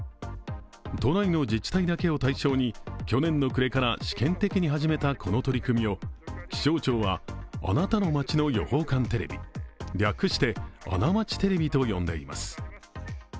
都内の自治体だけを対象に去年の暮れから試験的に始めたこの取り組みを気象庁は「あなたの町の予報官テレビ」、略して「あな町テレビ」と呼んでいます。